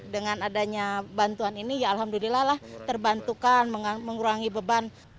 dengan adanya bantuan ini ya alhamdulillah lah terbantukan mengurangi beban